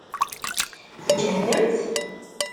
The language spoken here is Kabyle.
Tǧehdemt?